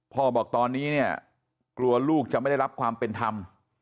บอกตอนนี้เนี่ยกลัวลูกจะไม่ได้รับความเป็นธรรม